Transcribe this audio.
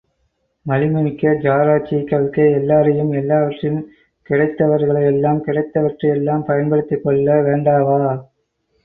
வலிமை மிக்க ஜாராட்சியைக் கவிழ்க்க, எல்லாரையும் எல்லாவற்றையும், கிடைத்தவர்களையெல்லாம், கிடைத்தவற்றையெல்லாம் பயன்படுத்திக்கொள்ள வேண்டாவா?